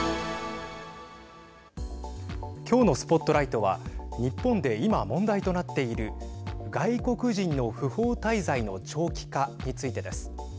今日のＳＰＯＴＬＩＧＨＴは日本で今、問題となっている外国人の不法滞在の長期化についてです。